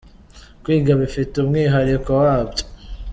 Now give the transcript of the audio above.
Kwiga bifite umwihariko wabyo.